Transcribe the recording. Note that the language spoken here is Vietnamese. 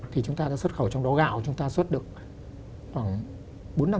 thì chúng ta đã xuất khẩu trong đó gạo chúng ta xuất được khoảng bốn năm